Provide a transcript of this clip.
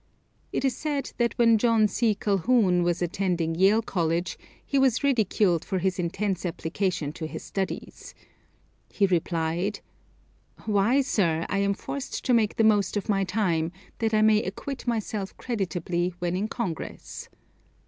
It is said that when John C. Calhoun was attending Yale College he was ridiculed for his intense application to his studies. He replied, "Why, sir, I am forced to make the most of my time, that I may acquit myself creditably when in Congress."